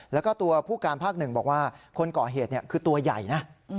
แล้วก็ตัวผู้การภาคหนึ่งบอกว่าคนก่อเหตุคือตัวใหญ่นะ